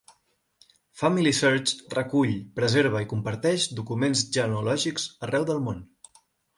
FamilySearch recull, preserva i comparteix documents genealògics arreu del món.